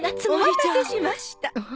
お待たせしました。